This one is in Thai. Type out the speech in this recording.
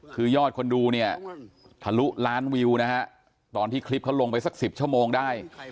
คือยอดคนดูเนี่ยทะลุล้านวิวนะฮะตอนที่คลิปเขาลงไปสัก๑๐ชั่วโมงได้